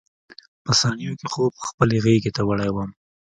په ثانیو کې خوب خپلې غېږې ته وړی وم.